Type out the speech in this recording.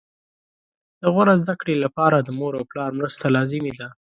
د غوره زده کړې لپاره د مور او پلار مرسته لازمي ده